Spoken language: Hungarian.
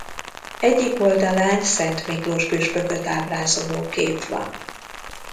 Egyik oldalán Szent Miklós püspököt ábrázoló kép van.